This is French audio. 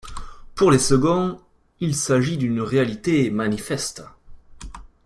Pour les seconds, il s'agit d'une réalité manifeste.